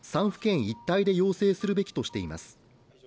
３府県一体で要請するべきとしています